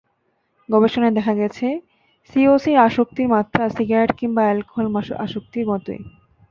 গবেষণায় দেখা গেছে, সিওসির আসক্তির মাত্রা সিগারেট কিংবা অ্যালকোহল আসক্তির মতোই।